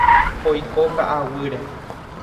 Oiko ka'aguýre.